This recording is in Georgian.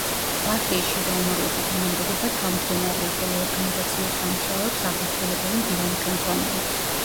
პარტიის შიდა უმაღლესი თანამდებობა თავმჯდომარეა, ხოლო ორგანიზაციულ სამუშაოებს აღმასრულებელი მდივანი ხელმძღვანელობს.